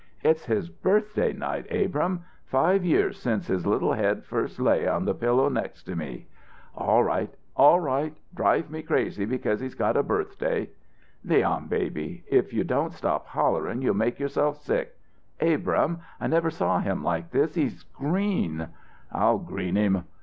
"It's his birthday night, Abrahm five years since his little head first lay on the pillow next to me." "All right all right drive me crazy because he's got a birthday." "Leon baby if you don't stop hollering you'll make yourself sick. Abrahm, I never saw him like this he's green " "I'll green him.